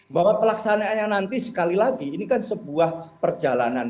bahwa pelaksanaannya nanti sekali lagi ini kan sebuah perjalanan